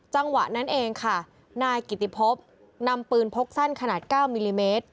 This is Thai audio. จังหวะนั้นเองค่ะนายกิติพบนำปืนพกสั้นขนาด๙มิลลิเมตร